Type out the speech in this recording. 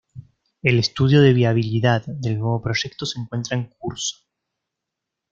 El estudio de viabilidad del nuevo proyecto se encuentra en curso.